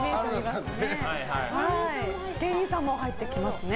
芸人さんも入ってきますね。